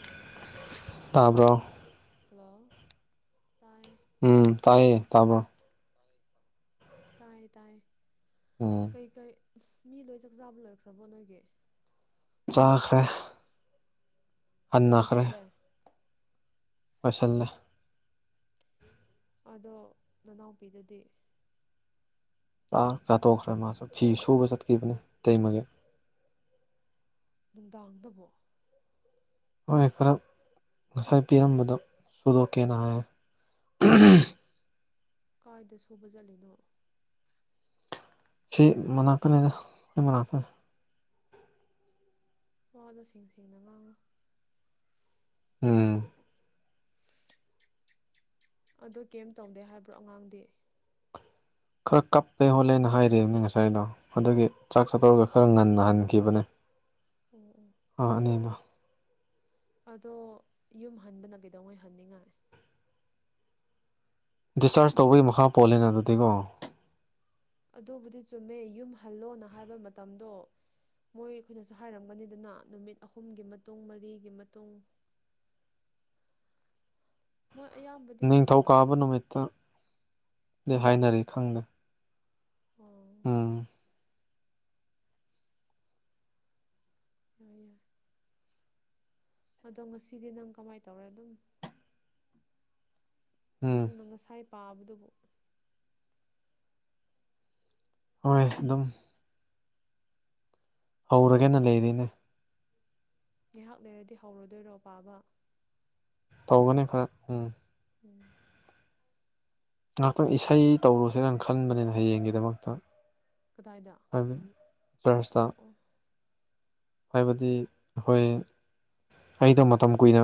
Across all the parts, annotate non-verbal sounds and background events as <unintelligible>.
ꯎꯝ hello ꯎꯝ ꯇꯥꯏꯌꯦ ꯇꯥꯕꯣ ꯇꯥꯏꯌꯦ ꯇꯥꯏꯌꯦ ꯀꯩꯀꯩ ꯃꯤ ꯂꯣꯏ ꯆꯥꯛꯆꯥꯥꯕ ꯂꯩꯔꯛꯈ꯭ꯔꯕꯣ ꯅꯣꯏꯒꯤ ꯆꯈ꯭ꯔꯦ ꯂꯣꯏ ꯂꯣꯏꯁꯤꯜꯂꯦ ꯃꯥꯁꯜꯥ ꯑꯗꯣ ꯅꯅꯥꯎꯄꯤꯗꯗꯤ ꯑꯥ ꯆꯥꯠꯇꯣꯛꯈ꯭ꯔꯦ ꯃꯥꯁꯨ ꯐꯤ ꯁꯨꯕ ꯆꯠꯈꯤꯕꯅꯦ ꯇꯃꯒꯦ ꯅꯨꯡꯗꯥꯡꯗꯕ ꯍꯣꯏ ꯈꯔ ꯉꯁꯥꯏ ꯄꯤꯔꯝꯕꯗꯣ ꯁꯨꯗꯣꯛꯀꯦꯅ ꯍꯥꯏ <inaudible> ꯀꯥꯏꯏꯗ ꯁꯨꯕ ꯆꯠꯂꯤꯅꯣ ꯆ ꯃꯅꯥꯇꯅꯤ ꯍ ꯃꯅꯥꯇ ꯋꯥꯗꯣꯁꯤꯡꯦꯡ ꯁꯦꯡꯅ ꯃꯥ ꯑꯃ ꯎꯝ ꯑꯗ ꯀꯩꯝ ꯇꯧꯗꯦ ꯍꯥꯏꯕ꯭ꯔꯣ ꯑꯉꯥꯡꯗꯤ ꯈꯔ ꯀꯞꯄꯦ ꯍꯣꯜꯂꯦꯅ ꯍꯥꯏꯔꯅꯤ ꯉꯁꯥꯏꯗꯣ ꯑꯗꯨꯒꯤ ꯆꯥꯛ ꯆꯥꯊꯧꯔꯒ ꯈꯔ ꯉꯟꯅꯍꯟꯈꯤꯕꯅꯦ ꯑ ꯅꯃ ꯑꯗꯣ ꯌꯨꯝ ꯍꯟꯕꯅ ꯀꯩꯗꯧꯉꯩ ꯍꯟꯅꯤꯡꯉꯥꯏ ꯗꯤꯁꯆꯥꯔꯖ ꯇꯧꯕꯒꯤ ꯃꯈꯥ ꯄꯣꯜꯂꯦꯅ ꯑꯗꯨꯗꯤꯀꯣ ꯑꯗꯨꯕꯨꯗꯤ ꯆꯨꯝꯃꯦ ꯌꯨꯝ ꯍꯜꯂꯣꯅ ꯍꯥꯏꯕ ꯃꯇꯝꯗꯣ ꯃꯣꯏ ꯑꯩꯈꯣꯏꯅꯁꯨ ꯍꯥꯏꯔꯝꯒꯅꯤꯗꯅ ꯅꯨꯃꯤꯠ ꯑꯍꯨꯝꯒꯤ ꯃꯇꯨꯡ ꯃꯔꯤꯒꯤ ꯃꯇꯨꯡ <inaudible> ꯅꯤꯡꯊꯧ ꯀꯥꯕ ꯅꯨꯃꯤꯠꯇꯗꯤ ꯍꯥꯏꯅꯔꯤ ꯈꯪꯗꯦ ꯑ ꯍꯣꯏ ꯑꯗꯣ ꯉꯁꯤꯗꯤ ꯅꯪ ꯀꯃꯥꯏꯅ ꯇꯧꯔꯦ ꯑꯗꯨꯝ ꯅꯪꯅ ꯉꯁꯥꯏ ꯄꯥꯕꯗꯨꯕꯨ ꯍꯣꯏ ꯑꯗꯨꯝ ꯍꯧꯔꯒꯦꯅ ꯂꯩꯔꯤꯅꯦ ꯉꯥꯏꯍꯥꯛ ꯂꯩꯔꯗꯤ ꯍꯧꯔꯗꯣꯏꯔꯣ ꯄꯥꯕ ꯇꯧꯒꯅꯤ ꯈꯔ ꯎꯝ ꯉꯍꯥꯛꯇꯪ ꯏꯁꯩ ꯇꯧꯔꯨꯁꯦ ꯅꯪ ꯈꯟꯕꯅꯤꯅ ꯍꯌꯦꯡꯒꯤꯗꯃꯛꯇ ꯆꯔꯁꯇꯥ ꯍꯥꯏꯕꯗꯤ ꯍꯈꯣꯏ ꯑꯩꯗꯣ ꯃꯇꯝ ꯀꯨꯏꯅ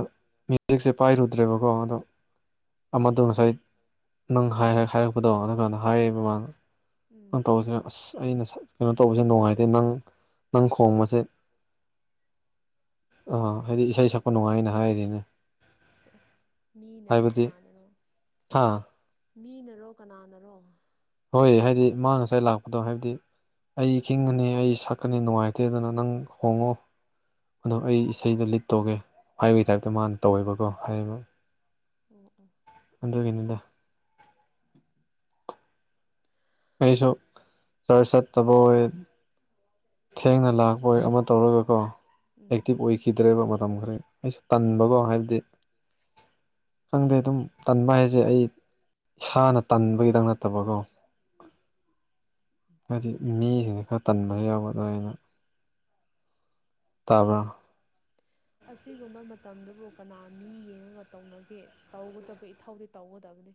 ꯃ꯭ꯌꯨꯖꯤꯛꯁꯦ ꯄꯥꯏꯔꯨꯗ꯭ꯔꯦꯕꯀꯣ ꯑꯗꯣ ꯑꯃꯗ ꯉꯁꯥꯏ ꯅꯪ ꯍꯥꯏꯔꯛꯄꯗꯣ ꯑꯗꯨ ꯀꯥꯟꯗ ꯍꯥꯏ ꯃꯥ ꯇꯧꯁꯤꯅ ꯑꯁ ꯑꯩꯅ ꯀꯩꯅꯣ ꯇꯧꯕꯁꯦ ꯅꯨꯡꯉꯥꯏꯇꯦ ꯅꯪ ꯅꯪ ꯈꯣꯡꯕꯁꯦ ꯑꯥ ꯍꯥꯏꯗꯤ ꯏꯁꯩ ꯁꯛꯄ ꯅꯨꯡꯉꯥꯏꯅ ꯍꯥꯏꯔꯤꯦꯅꯦ ꯁ ꯑꯁ ꯃꯤꯅꯔꯣ ꯀꯅꯥꯅꯔꯣ ꯃꯤꯅꯔꯣ ꯀꯅꯥꯅꯔꯣ ꯍꯣꯏ ꯍꯥꯏꯗꯤ ꯃꯥ ꯉꯁꯥꯏ ꯂꯥꯛꯄꯗꯣ ꯍꯥꯏꯕꯗꯤ ꯑꯩ ꯉꯅꯤ ꯑꯩ ꯁꯛꯀꯅꯤ ꯅꯨꯡꯉꯥꯏꯇꯦꯗꯅ ꯅꯪ ꯍꯣꯡꯉꯣ ꯑꯗꯣ ꯑꯩ ꯏꯁꯩꯗ ꯂꯤꯠ ꯇꯧꯒꯦ ꯍꯥꯏꯋꯒꯤ ꯇꯥꯏꯞꯇ ꯃꯥꯅ ꯇꯧꯋꯦꯕꯀꯣ ꯍꯥꯏ ꯎꯝ ꯎ <unintelligible> <inaudible> ꯑꯗꯨꯏꯅꯤꯡ ꯑꯩꯁꯨ ꯆꯔ ꯆꯠꯇꯕ ꯑꯣꯏ ꯊꯦꯡꯅ ꯂꯥꯛꯄꯣꯏ ꯑꯃ ꯇꯧꯔꯒꯀꯣ ꯑꯦꯛꯇꯤꯚ ꯑꯣꯏꯈꯤꯗ꯭ꯔꯦꯕ ꯃꯇꯝ ꯈꯔ ꯑꯩꯁꯨ ꯇꯟꯕꯒꯣ ꯍꯥꯏꯕꯗꯤ ꯈꯪꯗꯦ ꯑꯗꯨꯝ ꯇꯟꯕ ꯍꯥꯏꯁꯦ ꯑꯩ ꯏꯁꯥꯅ ꯇꯟꯕꯒꯤꯗꯪ ꯅꯠꯇꯕꯀꯣ ꯍꯥꯏꯗꯤ ꯃꯤꯁꯤꯡꯁꯦ ꯈꯔ ꯇꯟꯕꯗ ꯌꯥꯎꯕꯗ ꯑꯩꯅ ꯇꯥꯕ ꯑꯁꯤꯒꯨꯝꯕ ꯃꯇꯝꯗꯨꯕꯨ ꯀꯅꯥ ꯃꯤ ꯌꯦꯡꯉꯒ ꯇꯧꯅꯒꯦ ꯇꯧꯒꯗꯕ ꯏꯊꯧꯗꯤ ꯇꯧꯒꯗꯕꯅꯤ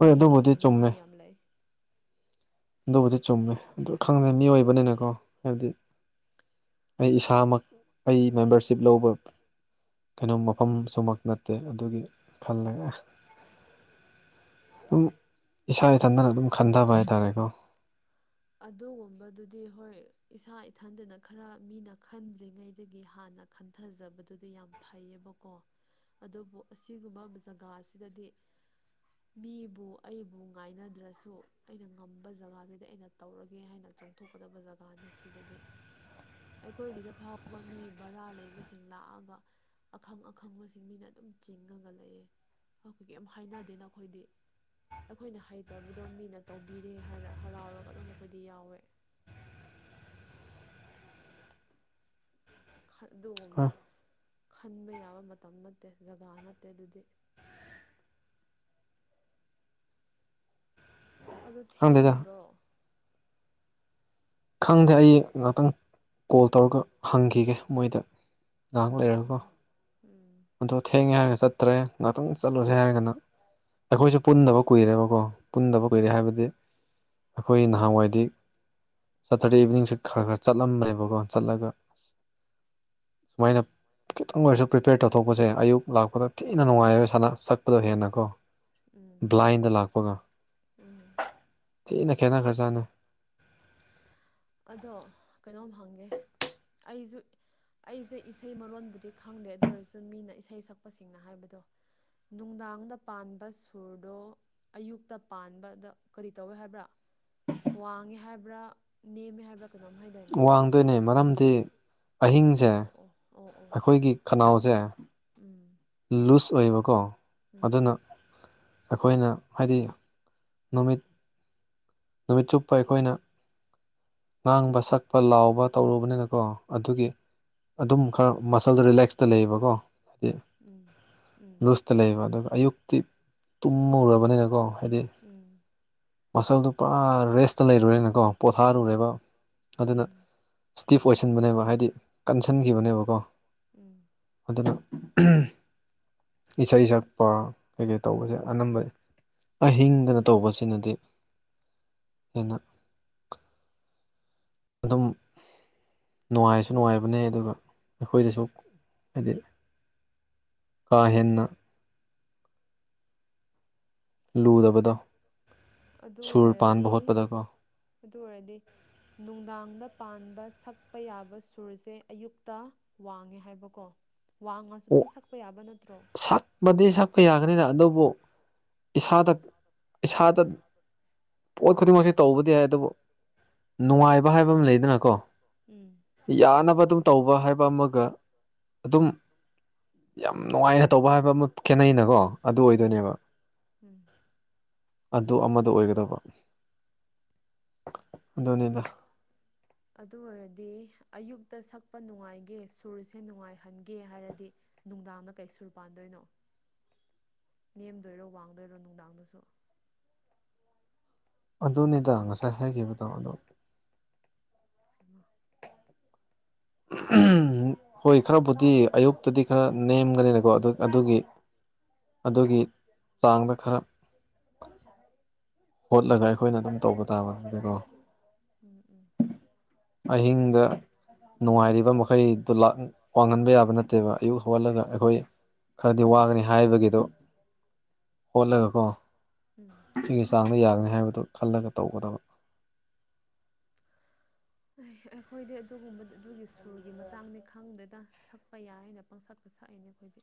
ꯃꯤꯗꯤ ꯌꯦꯡꯅꯤꯡꯉꯥꯏ ꯌꯥꯝ ꯂꯩ ꯑꯗꯨꯕꯨꯗꯤ ꯆꯨꯝꯃꯦ ꯑꯗꯨ ꯈꯪꯗꯦ ꯃꯤꯑꯣꯏꯕꯅꯤꯅꯀꯣ ꯍꯥꯏꯕꯗꯤ ꯑꯩ ꯏꯁꯥꯃꯛ ꯑꯩ ꯃꯦꯝꯕꯔꯁꯤꯞ ꯂꯧꯕ ꯀꯩꯅꯣ ꯃꯐꯝꯁꯨꯃꯛ ꯅꯠꯇꯦ ꯑꯗꯨꯒꯤ ꯈꯜꯂꯒ <unintelligible> <inaudible> ꯑꯗꯨꯝ ꯏꯁꯥ ꯏꯊꯟꯗꯅ ꯑꯗꯨꯝ ꯈꯟꯊꯕ ꯍꯥꯏꯇꯥꯔꯦꯀꯣ ꯑꯗꯨꯒꯨꯝꯕꯗꯨꯗꯤ ꯍꯣꯏ ꯏꯁꯥ ꯏꯊꯟꯗꯅ ꯈꯔ ꯃꯤꯅ ꯈꯟꯗ꯭ꯔꯤꯉꯩꯗꯒꯤ ꯍꯥꯟꯅ ꯅ ꯈꯟꯊꯖꯕꯗꯨꯗꯤ ꯌꯥꯝ ꯐꯩꯌꯦꯕꯀꯣ ꯑꯗꯨꯕꯨ ꯑꯁꯤꯒꯨꯝꯕ ꯖꯒꯥ ꯑꯁꯤꯗꯗꯤ ꯃꯤꯕꯨ ꯑꯩꯕꯨ ꯉꯥꯏꯅꯗ꯭ꯔꯁꯨ ꯑꯩꯅ ꯉꯝꯕ ꯖꯒꯥꯗꯨꯗꯤ ꯑꯩꯅ ꯇꯧꯔꯒꯦ ꯍꯥꯏꯅ ꯆꯣꯡꯊꯣꯛꯀꯗꯕ ꯖꯒꯥꯅꯤ ꯁꯤꯗꯗꯤ ꯑꯩꯈꯣꯏꯒꯤꯗ ꯐꯥꯎꯕ ꯃꯤ ꯕꯔꯥ ꯂꯩꯕꯁꯤꯡ ꯂꯥꯛꯑꯒ ꯑꯈꯪ ꯑꯈꯪꯕꯁꯤꯡ ꯃꯤꯅ ꯑꯗꯨꯝ ꯆꯤꯡꯒꯒꯠꯂꯛꯑꯦ ꯍꯧꯖꯤꯛ ꯀ ꯌꯥꯝ ꯍꯥꯏꯅꯗꯦꯅ ꯑꯩꯈꯣꯏꯗꯤ ꯑꯩꯈꯣꯏꯅ ꯍꯩꯇꯕꯗꯣ ꯃꯤꯅ ꯇꯧꯕꯤꯔꯦ ꯍꯥꯏꯔ ꯍꯔꯥꯎꯔꯒ ꯑꯗꯨꯝ ꯑꯩꯈꯗꯤ ꯌꯥꯎꯋꯦ ꯑꯗꯨꯒꯨꯝꯕ ꯈꯟꯕ ꯌꯥꯕ ꯃꯇꯝ ꯅꯠꯇꯦ ꯖꯒꯥ ꯅꯠꯇꯦ ꯑꯗꯨꯗꯤ ꯑꯗꯨ ꯊꯦꯡꯕ꯭ꯔꯣ ꯈꯪꯗꯦ ꯑꯩ ꯉꯍꯥꯛꯇꯪ ꯀꯣꯜ ꯇꯧꯔꯒ ꯍꯪꯈꯤꯒꯦ ꯃꯣꯏꯗ ꯉꯥꯏꯍꯥꯛ ꯂꯩꯔꯀꯣ ꯑꯗꯣ ꯊꯦꯡꯉꯦ ꯍꯥꯏꯔꯁꯤꯦ ꯆꯠꯇ꯭ꯔꯦ ꯉꯥꯛꯇꯪ ꯆꯠꯂꯨꯁꯦ ꯍꯥꯏꯔꯒꯅ ꯑꯩꯈꯣꯏꯁꯨ ꯄꯨꯟꯗꯕ ꯀꯨꯏꯔꯦꯕꯀꯣ ꯄꯨꯟꯗꯕ ꯀꯩꯔ ꯍꯥꯏꯕꯗꯤ ꯑꯩꯈꯣꯏ ꯅꯍꯥꯟꯋꯥꯏꯗꯤ ꯁꯦꯇꯔꯗꯦ ꯏꯚꯅꯤꯡꯁꯦ ꯈꯔ ꯈꯔ ꯆꯠꯂꯝꯃꯦꯦꯕꯀꯣ ꯆꯠꯂꯒ ꯁꯨꯃꯥꯏꯅ ꯈꯤꯇꯪ ꯑꯣꯏꯔꯁꯨ ꯄ꯭ꯔꯤꯄꯦꯌꯔ ꯇꯧꯊꯣꯛꯄꯁꯦ ꯑꯌꯨꯛ ꯂꯥꯛꯄꯗ ꯊꯤꯅ ꯅꯨꯡꯉꯥꯏꯔꯦ ꯁꯥꯟꯅ ꯁꯛꯄꯗꯣ ꯍꯦꯟꯅꯀꯣ ꯕ꯭ꯂꯥꯏꯟꯗ ꯂꯥꯛꯄꯒ ꯎꯝ ꯊꯤꯅ ꯈꯦꯠꯅꯈ꯭ꯔꯖꯥꯠꯅꯨ ꯑꯗꯣ ꯀꯩꯅꯣꯝ ꯍꯪꯒꯦ ꯑꯩꯁꯨ ꯑꯩꯁꯦ ꯏꯁꯩ ꯃꯔꯣꯟꯕꯨꯗꯤ ꯈꯪꯗꯦ ꯑꯗꯨ ꯑꯣꯏꯔꯁꯨ ꯃꯤꯅ ꯏꯁꯩ ꯁꯛꯄꯁꯤꯡꯅ ꯍꯥꯏꯕꯗꯣ ꯅꯨꯡꯗꯥꯡꯗ ꯄꯥꯟꯕ ꯁꯨꯔꯗꯣ ꯑꯌꯨꯛꯇ ꯄꯥꯟꯕꯗ ꯀꯔꯤ ꯇꯧꯏꯦ ꯍꯥꯏꯕ꯭ꯔꯥ ꯋꯥꯡꯉꯦ ꯍꯥꯏꯕ꯭ꯔꯥ ꯅꯝ ꯍꯦ ꯍꯥꯏ ꯋꯥꯡꯗꯣꯏꯅꯦ ꯃꯔꯝꯗꯤ ꯑꯍꯤꯡꯁꯦ ꯑꯩꯈꯣꯏꯒꯤ ꯈꯅꯥꯎꯁꯦ ꯂꯨꯁ ꯑꯣꯏꯌꯦꯕꯀꯣ ꯑꯗꯨꯅ ꯑꯩꯈꯣꯏꯅ ꯍꯥꯏꯗꯤ ꯅꯨꯃꯤꯠ ꯅꯨꯃꯤꯠ ꯆꯨꯞꯄ ꯑꯩꯈꯣꯏꯅ ꯉꯥꯡꯕ ꯁꯛꯄ ꯂꯥꯎꯕ ꯇꯧꯔꯨꯕꯅꯤꯅꯀꯣ ꯑꯗꯨꯒꯤ ꯑꯗꯨꯝ ꯈꯔ ꯃꯁ ꯁꯣꯜꯗ ꯔꯤꯂꯦꯛꯁꯇ ꯂꯩꯌꯦꯕꯀꯣ ꯍꯥꯏꯗꯤ ꯨꯁꯇ ꯂꯩꯌꯦꯕ ꯑꯗꯨꯒ ꯑꯌꯨꯛꯇꯤ ꯇꯨꯝꯃꯨꯔꯕꯅꯤꯅꯀꯣ ꯍꯥꯏꯗꯤ ꯃꯁꯜꯗꯨꯣ ꯄꯨꯔꯥ ꯔꯦꯁꯇ ꯂꯩꯔꯨꯔꯦꯅꯀꯣ ꯄꯣꯊꯥꯔꯨꯔꯦꯕ ꯑꯗꯨꯅ ꯁꯇꯤꯞ ꯑꯣꯏꯁꯟꯕꯅꯦꯕ ꯍꯥꯏꯗꯤ ꯀꯟꯁꯤꯟꯈꯤꯕꯅꯦꯕꯀꯣ ꯑꯗꯨꯅ ꯎꯝ ꯏꯁꯩ ꯁꯛꯄ ꯀꯩ ꯀꯩ ꯇꯧꯕꯁꯦ ꯑꯅꯝꯕ ꯑꯍꯤꯡꯗꯅ ꯇꯧꯕꯁꯤꯅꯗꯤ ꯍꯦꯟꯅ ꯑꯗꯨꯗꯝ ꯅꯨꯡꯉꯥꯏꯁꯨ ꯅꯨꯡꯉꯥꯏꯕꯅꯦ ꯑꯗꯨꯒ ꯑꯩꯈꯣꯏꯗꯁꯨ ꯍꯥꯏꯗꯤ ꯀꯥꯏꯦꯟꯅ ꯂꯨꯗꯕꯗꯥ ꯑꯗꯨ ꯑꯣꯏꯔꯗꯤ ꯑꯗꯨ ꯑꯣꯏꯔꯗꯤ ꯅꯨꯡꯗꯥꯡꯗ ꯄꯥꯟꯕ ꯁꯛꯄ ꯌꯥꯕ ꯁꯨꯔꯁꯦ ꯑꯌꯨꯛꯇ ꯋꯥꯡꯉꯦ ꯍꯥꯏꯕꯀꯣ ꯋꯥꯡꯉꯁꯨ ꯑꯗꯨꯝ ꯁꯛꯄ ꯌꯥꯕ ꯅꯠꯇ ꯁꯛꯄꯗꯤ ꯁꯛꯄ ꯌꯥꯒꯅꯤꯅ ꯑꯗꯨꯕꯨ ꯏꯁꯁꯇ ꯏꯁꯁꯗꯠ ꯄꯣꯣꯏꯠ ꯈꯨꯗꯤꯡꯃꯛꯁꯦ ꯇꯧꯕꯗꯤ ꯌꯥꯏ ꯑꯗꯨꯕꯨ ꯅꯨꯡꯉꯥꯏꯕ ꯍꯥꯏꯕ ꯑꯃ ꯂꯩꯗꯅꯀꯣ ꯌꯥꯅꯕ ꯑꯗꯨꯝ ꯇꯧꯕ ꯍꯥꯏꯕ ꯑꯃꯒ ꯑꯗꯨꯝ ꯌꯥꯝ ꯅꯨꯡꯉꯥꯏꯅ ꯇꯧꯕ ꯍꯥꯏꯕ ꯑꯃ ꯈꯦꯠꯅꯩꯩꯅꯀꯣ ꯑꯗꯨ ꯑꯣꯏꯗꯣꯏꯅꯦꯕ ꯎꯝ ꯑꯗꯨ ꯑꯃꯗ ꯑꯣꯏꯒꯗꯕ ꯑꯗꯨꯅꯤꯗ ꯑꯗꯨ ꯑꯣꯏꯔꯗꯤ ꯑꯌꯨꯛꯇ ꯁꯛꯄ ꯅꯨꯡꯉꯥꯏꯒꯦ ꯁꯨꯔꯁꯦ ꯅꯨꯡꯉꯥꯏꯍꯟꯒꯦ ꯍꯥꯏꯔꯗꯤ ꯅꯨꯡꯗꯥꯡꯗ ꯀꯩ ꯁꯨꯔ ꯄꯥꯟꯗꯣꯏꯅꯣ ꯅꯦꯝꯗꯣꯏꯔꯣ ꯋꯥꯡꯗꯣꯏꯔꯣ ꯅꯨꯡꯗꯥꯡꯗꯁꯨ ꯑꯗꯨꯅꯦꯗ ꯉꯁꯥꯏ ꯍꯥꯏꯈꯤꯕꯗꯣ ꯑꯗꯣ ꯑ ꯎꯝ ꯍꯣꯏ ꯈꯔꯕꯨꯗꯤ ꯑꯌꯨꯛꯇꯗꯤ ꯈꯔ ꯅꯦꯝꯒꯅꯤꯅꯀꯣ ꯑꯗꯨ ꯑꯗꯨꯒꯤ ꯑꯗꯨꯒꯤ ꯆꯥꯡꯗ ꯈꯔ ꯍꯣꯠꯂꯒ ꯑꯩꯈꯣꯏꯅ ꯑꯗꯨꯝ ꯇꯧꯕ ꯇꯥꯕ ꯑꯗꯨꯀꯣ ꯑꯍꯤꯡꯗ ꯅꯨꯡꯉꯥꯏꯔꯤꯕ ꯃꯈꯩ ꯇ ꯋꯥꯡꯍꯟꯕ ꯌꯥꯕ ꯅꯠꯇꯦꯕ ꯑꯌꯨꯛ ꯍꯧꯜꯂꯒ ꯑꯩꯈꯣꯏ ꯈꯔꯗꯤ ꯋꯥꯒꯅꯤ ꯍꯥꯏꯕꯒꯤꯗꯣ ꯍꯣꯠꯂꯒ ꯀꯣ ꯁꯤ ꯈ ꯑꯩꯈꯣꯏꯗꯤ ꯑꯗꯨꯒꯨꯝꯕ ꯑꯗꯨꯒꯤ ꯁꯨꯔꯒꯤ ꯃꯇꯥꯡꯅꯤ ꯈꯪꯗꯅ ꯁꯛꯄ ꯌꯥꯏ ꯍꯥꯏꯅ ꯄꯪꯁꯛꯄ ꯁꯛꯏꯅꯦ ꯑꯩꯈꯣꯏꯗꯤ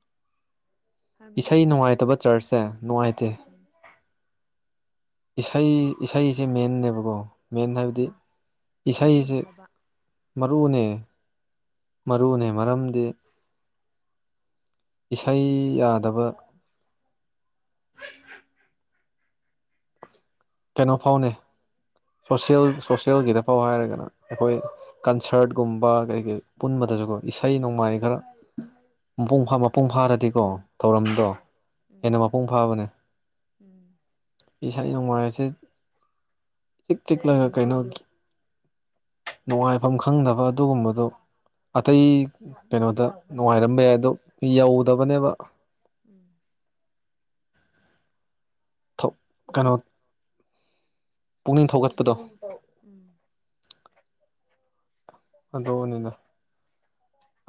ꯏꯁꯩ ꯅꯨꯡꯉꯥꯏꯇꯕ ꯆꯔꯆꯁꯦ ꯅꯨꯡꯉꯥꯏꯇꯦ ꯏꯁꯩ ꯏꯁꯩꯁꯦ ꯃꯦꯦꯕꯀꯣ ꯃꯦꯟ ꯍꯥꯏꯕꯗꯤ ꯏꯁꯩꯁꯦ ꯃꯔꯨꯅꯦ ꯃꯔꯨꯅꯦ ꯃꯔꯝꯗꯤ ꯏꯁꯩ ꯌꯥꯗꯕ ꯀꯩꯅꯣ ꯐꯥꯎꯅꯦ ꯁꯣꯁꯦꯜ ꯁꯣꯁꯦꯜꯒꯤꯗ ꯐꯥꯎ ꯍꯥꯏꯔꯒꯅ ꯑꯩꯈꯣꯏ ꯀꯟꯁꯔꯠꯀꯨꯝꯕ ꯀꯔꯤ ꯀꯔꯤ ꯄꯨꯟꯕ ꯑꯗꯨꯁꯨꯀꯣ ꯏꯁꯩ ꯅꯣꯡꯃꯥꯏ ꯈꯔ ꯃꯄꯨꯡꯥ ꯃꯄꯨꯡ ꯐꯥꯔꯗꯤꯀꯣ ꯊꯧꯔꯝꯗꯣ ꯍꯦꯟꯅ ꯃꯄꯨꯡ ꯐꯥꯕꯅꯦ ꯏꯁꯥꯅ ꯅꯨꯡꯉꯥꯏꯔꯁꯦ ꯆꯛ ꯆꯦꯛ ꯂꯉꯥ ꯀꯩꯅꯒꯤ ꯅꯨꯡꯉꯥꯏꯐꯝ ꯈꯪꯗꯕ ꯑꯗꯨꯒꯨꯝꯕꯗꯨ ꯑꯇꯩ ꯀꯩꯅꯣꯗ ꯅꯨꯡꯉꯥꯏꯔꯝꯕ ꯌꯥꯏ ꯑꯗꯣ ꯌꯧꯗꯕꯅꯦꯕ ꯎꯝ ꯀꯩꯅꯣ ꯄꯨꯛꯅꯤꯡ ꯊꯧꯒꯠꯄꯗꯣ ꯑꯗꯨꯣꯛꯅꯤꯅ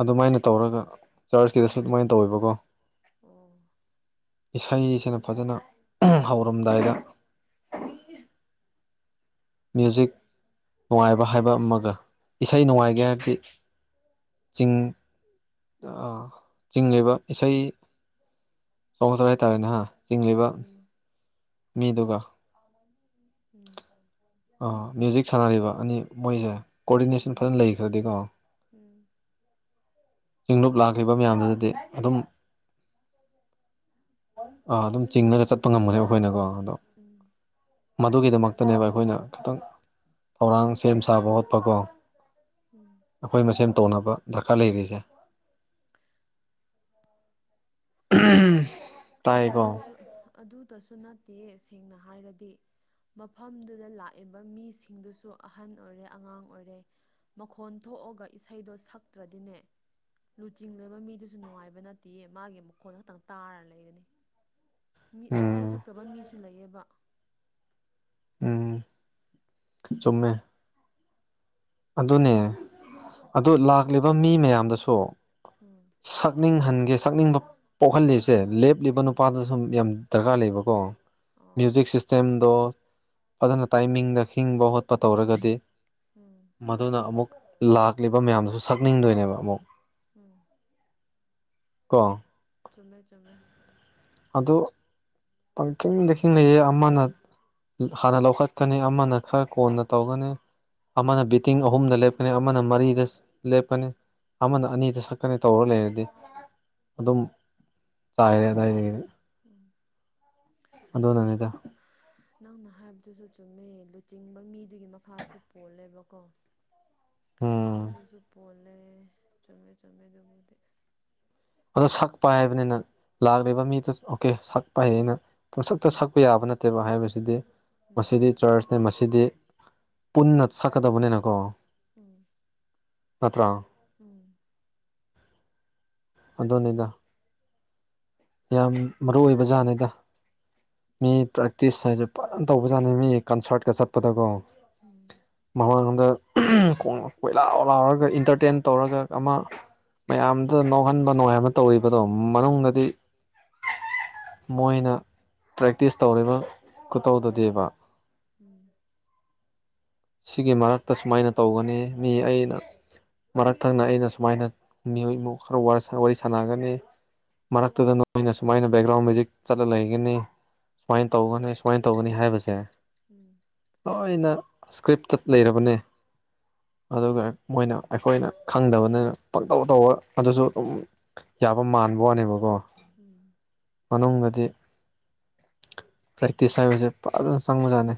ꯑꯗꯨꯃꯥꯏꯅ ꯇꯧꯔꯒ ꯆꯥꯔꯖꯀꯤꯗꯁꯨ ꯑꯗꯨꯃꯥꯏꯅ ꯇꯧꯋꯦꯕꯀꯣ ꯏꯁꯩꯁꯤꯅ ꯐꯖꯅ ꯍꯧꯔꯝꯗꯥꯏꯗ ꯃ꯭ꯌꯨꯖꯤꯛ ꯅꯨꯡꯉꯥꯏꯕ ꯍꯥꯏꯕ ꯑꯃꯒ ꯏꯁꯩ ꯅꯨꯡꯉꯥꯏꯒꯦ ꯍꯥꯏꯔꯗꯤ ꯆꯤꯡ ꯑ ꯆꯤꯡꯡꯂꯕ ꯏꯁꯩ ꯆꯥꯎꯈꯠꯆꯔ ꯍꯥꯏꯇꯥꯔꯦ ꯅꯍ ꯆꯤꯡꯡꯂꯕ ꯃꯤꯗꯨ ꯑꯣ ꯃ꯭ꯌꯨꯖꯤꯛ ꯁꯥꯟꯅꯔꯤꯕ ꯑꯅꯤ ꯃꯣꯏꯁꯦ ꯀꯣꯑꯣꯗꯤꯅꯦꯁꯟ ꯐꯖꯅ ꯂꯩꯈ꯭ꯔꯗꯤꯀꯣ <inaudible> ꯌꯦꯡꯂ ꯂꯥꯛꯈꯤꯕ ꯃꯌꯥꯝꯗꯨꯗꯗꯤ ꯑꯗꯨꯝ ꯑꯥ ꯑꯗꯨꯝ ꯆꯤꯡꯅꯒ ꯆꯠꯄ ꯉꯝꯒꯅꯦꯕ ꯑꯩꯈꯣꯏꯅꯀꯣ ꯑꯗꯣ ꯃꯗꯨꯒꯤꯗꯃꯛꯇꯅꯦꯕ ꯑꯩꯈꯣꯏꯅ ꯈꯤꯇꯪ ꯊꯧꯔꯥꯡ ꯁꯦꯝ ꯁꯥꯕ ꯍꯣꯠꯄꯀꯣ ꯑꯩꯈꯣꯏ ꯃꯁꯦꯟ ꯇꯧꯅꯕ ꯗꯔꯀꯥꯔ ꯂꯩꯔꯤꯁꯦ <inaudible> ꯇꯥꯏꯀꯣ ꯇꯁꯨ ꯅꯠꯇꯦ ꯁꯦꯡꯅ ꯍꯥꯏꯔꯗꯤ ꯃꯐꯝꯗꯨꯗ ꯂꯥꯛꯏꯕ ꯃꯤꯁꯤꯡꯗꯨꯁꯨ ꯑꯍꯟ ꯑꯣꯏꯔꯦ ꯑꯉꯥꯡ ꯑꯣꯏꯔꯦ ꯃꯈꯣꯟ ꯊꯣꯛꯑꯒ ꯏꯁꯩꯗꯣ ꯁꯛꯇ꯭ꯔꯗꯤꯅꯦ ꯂꯨꯆꯤꯡꯅꯕ ꯃꯤꯗꯨꯁꯨ ꯅꯨꯡꯉꯥꯏꯕ ꯅꯠꯇꯦ ꯃꯥꯒꯤ ꯃꯈꯣꯜ ꯈꯛꯇꯪ ꯇꯥꯔ ꯂꯩꯒꯅꯤ꯫ ꯃꯤ ꯏꯁꯩ ꯁꯛꯇꯕ ꯃꯤꯁꯨ ꯂꯩꯌꯦꯕ ꯎꯝ ꯆꯝꯃꯦ ꯑꯗꯨꯅꯦ ꯑꯗꯨ ꯂꯥꯛꯂꯤꯕ ꯃꯤ ꯃꯌꯥꯝꯗꯁꯨ ꯁꯛꯅꯤꯡꯍꯟꯒꯦ ꯁꯛꯅꯤꯡꯕ ꯄꯣꯛꯍꯜꯂꯤꯁꯦ ꯁꯦ ꯂꯦꯞꯂꯤꯕ ꯅꯨꯄꯥꯗ ꯁꯨꯝ ꯌꯥꯝ ꯗꯔꯀꯥꯔ ꯂꯩꯕꯀꯣ ꯃ꯭ꯌꯨꯖꯤꯛ ꯁꯤꯁꯇꯦꯝꯗꯣ ꯑꯗꯨꯅ ꯇꯥꯏꯃꯤꯡꯗ ꯍꯤꯡꯕ ꯍꯣꯠꯄ ꯇꯧꯔꯒꯗꯤ ꯃꯗꯨꯅ ꯑꯃꯨꯛ ꯂꯥꯛꯂꯤꯕ ꯃꯌꯥꯝꯗꯨꯁꯨ ꯁꯛꯅꯤꯡꯗꯣꯏꯅꯦꯕ ꯑꯃꯨꯛ ꯆꯃꯦ ꯆꯃꯦ ꯑꯗꯨ ꯄꯪꯈꯤꯡꯗꯈꯤꯡ ꯂꯩꯌꯦ ꯑꯃꯅ ꯍꯥꯟꯅ ꯂꯧꯈꯠꯀꯅꯤ ꯑꯃꯅ ꯈꯔ ꯀꯣꯟꯅ ꯇꯧꯒꯅꯤ ꯑꯃꯅ ꯕꯤꯇꯤꯡ ꯑꯍꯨꯝꯗꯞ ꯂꯀꯅꯤ ꯑꯃꯅ ꯃꯔꯤꯗ ꯂꯦꯞꯀꯅꯤ ꯑꯃꯅ ꯑꯅꯤꯗ ꯁꯛꯀꯅꯤ ꯇꯧꯔ ꯂꯩꯔꯗꯤ ꯑꯗꯨꯝ ꯆꯥꯏꯔꯦ ꯑꯗꯨꯏꯗꯒꯤ ꯎꯝ ꯑꯗꯨꯅꯅꯦꯗ ꯅꯪꯅ ꯍꯥꯏꯕꯗꯨꯁꯨ ꯆꯨꯝꯃꯦ ꯂꯨꯆꯤꯡꯕ ꯃꯤꯗꯨꯒꯤ ꯃꯈꯥꯁꯨ ꯄꯣꯜꯂꯦꯕꯀꯣ ꯑꯗꯨꯁꯨ ꯄꯣꯜꯂꯦ ꯆꯨꯝꯃꯦ ꯆꯨꯝꯃꯦꯗꯨꯕꯨꯗꯤ ꯑꯗꯣ ꯁꯛꯄꯥ ꯍꯥꯏꯕꯅꯤꯅ ꯂꯥꯛ ꯂꯩꯕ ꯃꯤꯗ ꯑꯣꯀꯦ ꯁꯛꯄꯩ ꯍꯩꯅ ꯄꯨꯡꯁꯛꯇ ꯁꯛꯄ ꯌꯥꯕ ꯅꯠꯇꯦꯕ ꯍꯥꯏꯕꯁꯤꯗꯤ ꯃꯁꯤꯗꯤ ꯆꫪꯆꯅꯦ ꯃꯁꯤꯗꯤ ꯄꯨꯟꯅ ꯁꯛꯀꯗꯕꯅꯤꯅꯀꯣ ꯎꯝ ꯑꯠꯇ꯭ꯔ ꯎꯝ ꯑꯗꯨꯅꯤꯗ ꯌꯥꯝ ꯃꯔꯨ ꯑꯣꯏꯕ ꯖꯥꯠꯅꯤꯗ ꯃꯤ ꯄ꯭ꯔꯦꯛ ꯇꯤꯁ ꯍꯥꯏꯁꯦ ꯐꯖꯅ ꯇꯧꯕꯖꯥꯠꯅ ꯃꯤ ꯀꯟꯁꫪꯠꯀ ꯆꯠꯄꯗꯀꯣ ꯃꯃꯥꯡꯂꫭꯝꯗ ꯀꯣꯏꯂꯥꯎ ꯂꯥꯎꯔꯒ ꯏꯟꯇꯔꯇꯦꯟ ꯇꯧꯔꯒ ꯑꯃ ꯃꯌꯥꯝꯗꯨ ꯅꯣꯛꯍꯟꯕ ꯅꯨꯡꯉꯥꯏꯅ ꯇꯧꯔꯤꯕꯗꯣ ꯃꯅꯨꯡꯗꯗꯤ ꯃꯣꯏꯅ ꯄ꯭ꯔꯦꯛꯇꯤꯁ ꯇꯧꯔꯤꯕ ꯈꯨꯇꯧꯗꯨꯗꯤꯕ ꯁꯤꯒꯤ ꯃꯔꯛꯇ ꯁꯨꯃꯥꯏꯅ ꯇꯧꯒꯅꯤ ꯃꯤ ꯑꯩꯅ ꯃꯔꯛ ꯊꯪꯅ ꯑꯩꯅ ꯁꯨꯃꯥꯏꯅ ꯃꯤꯑꯣꯏ ꯈꯔ ꯋꯥꯔꯤ ꯁꯥꯟꯅꯒꯅꯤ ꯃꯔꯛꯇꯨꯗ ꯅꯣꯏꯅ ꯁꯨꯃꯥꯏꯅ ꯕꯦꯛꯒ꯭ꯔꯥꯎꯟ ꯃ꯭ꯌꯨꯖꯤꯛ ꯆꯠꯂ ꯂꯩꯒꯅꯤ ꯁꯨꯃꯥꯏꯅ ꯇꯧꯒꯅꯤ ꯁꯨꯃꯥꯏꯅ ꯇꯧꯒꯅꯤ ꯍꯥꯏꯕꯁꯦ ꯍꯣꯏꯅ ꯂꯩꯔꯕꯅꯦ ꯑꯗꯨꯒ ꯃꯣꯏꯅ ꯑꯩꯈꯣꯏꯅ ꯈꯪꯗꯕꯅꯤꯅ ꯄꯪꯇꯕ ꯇꯧꯕ ꯑꯗꯨꯁꯨ ꯑꯗꯨꯝ ꯌꯥꯕ ꯃꯥꯟꯕ ꯋꯥꯅꯦꯕꯀꯣ ꯃꯅꯨꯡꯗꯗꯤ ꯄ꯭ꯔꯦꯛꯇꯤꯁ ꯍꯥꯏꯁꯦ ꯐꯖꯅ ꯆꯪꯕꯖꯥꯅꯦ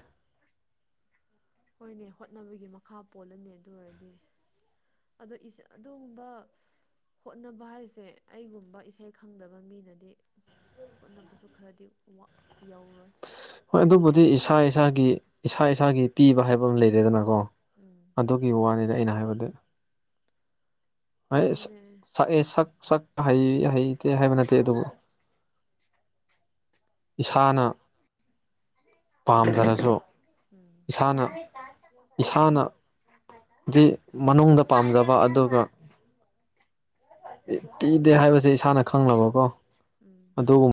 ꯍꯣꯏꯅꯦ ꯍꯣꯠꯅꯕꯒꯤ ꯃꯈꯥ ꯄꯣꯜꯂꯅꯤ ꯑꯗꯨ ꯑꯣꯏꯔꯗꯤ ꯑꯣꯗꫭ ꯏꯁ ꯑꯗꯨꯒꯨꯝꯕ ꯍꯣꯠꯅꯕ ꯍꯥꯏꯁꯦ ꯑꯩꯒꯨꯝꯕ ꯏꯁꯩ ꯈꯪꯗꯕ ꯃꯤꯅꯗꯤ ꯍꯣꯠꯅꯕꯁꯨ ꯈꯔꯗꯤ ꯋꯥ ꯌꯧꯔꯣꯏ ꯍꯣꯏ ꯑꯗꯨꯕꯨꯗꯤ ꯏꯁꯥ ꯏꯁꯥꯒꯤ ꯏꯁꯥ ꯏꯁꯥꯒꯤ ꯄꯤꯕ ꯍꯥꯏꯕ ꯑꯃ ꯂꯩꯔꯦꯗꯅꯀꯣ ꯑꯗꯨꯒꯤ ꯋꯥꯅꯤꯗ ꯑꯩꯅ ꯍꯥꯏꯕꯗꯤ <unintelligible> ꯁꯛꯑꯦ ꯁꯛ ꯁꯛ ꯍꯩ ꯍꯩꯇꯦ ꯍꯥꯏꯕ ꯅꯠꯇꯦ ꯑꯗꯨꯕꯨ ꯏꯁꯥꯅ ꯄꯥꯝꯖ꯭ꯔꯁꯨ ꯏꯁꯥꯅ ꯏꯁꯥꯅ ꯗꯤ ꯃꯅꯨꯡꯗ ꯄꯥꯝꯖꯕ ꯑꯗꯨꯒ ꯄꯤꯗꯦ ꯍꯥꯏꯕꯁꯦ ꯏꯁꯥꯅ ꯈꯪꯂꯕꯀꯣ ꯑꯗꯨꯒꯨꯝꯕ